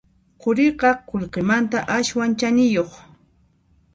Quriqa qullqimanta aswan chaniyuq